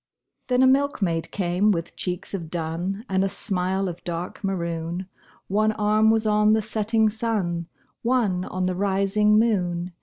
Then a milkmaid came with cheeks of dun And a smile of dark maroon, One arm was on the setting sun, One on the rising moon.